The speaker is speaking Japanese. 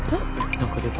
何か出た！